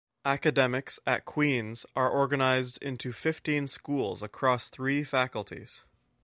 Academics at Queen's are organised into fifteen schools across three faculties.